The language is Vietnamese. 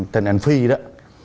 tên anh phi đó